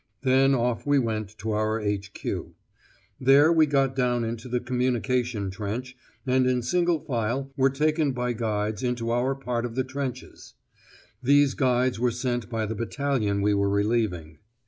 Then off we went to our H.Q. There we got down into the communication trench, and in single file were taken by guides into our part of the trenches: these guides were sent by the battalion we were relieving.